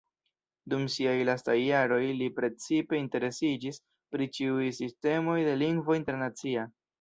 Dum siaj lastaj jaroj li precipe interesiĝis pri ĉiuj sistemoj de Lingvo Internacia.